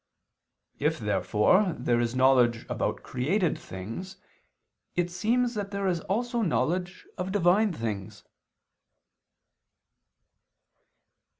If therefore there is knowledge about created things, it seems that there is also knowledge of Divine things.